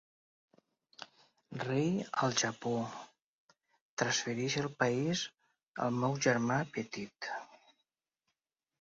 rei al Japó, transfereixo el país al meu germà petit.